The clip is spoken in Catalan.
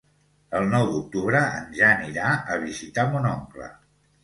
El nou d'octubre en Jan irà a visitar mon oncle.